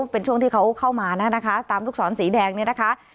เป็นช่วงที่เขาเข้ามานะคะตามลูกศรสีแดงเนี่ยนะคะ